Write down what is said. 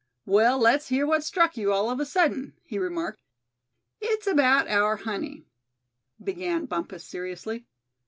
"Well, let's hear what struck you, all of a sudden," he remarked. "It's about our honey," began Bumpus, seriously.